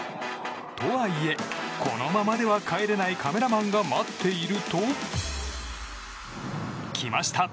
とはいえ、このままでは帰れないカメラマンが待っていると。来ました！